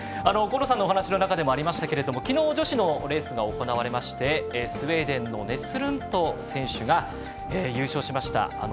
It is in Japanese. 河野さんのお話の中でもありましたけど昨日、女子のレースが行われてスウェーデンのネスルント選手が優勝しました。